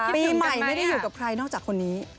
ปีใหม่ไม่ได้อยู่กับใครนอกจากคนนี้